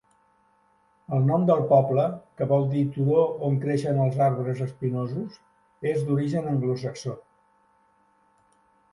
El nom del poble, que vol dir "turó on creixen els arbres espinosos", és d'origen anglosaxó.